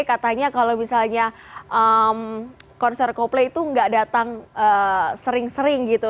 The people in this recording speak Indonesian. katanya kalau misalnya konser coldplay itu nggak datang sering sering gitu